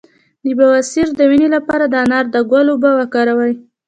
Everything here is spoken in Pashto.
د بواسیر د وینې لپاره د انار د ګل اوبه وکاروئ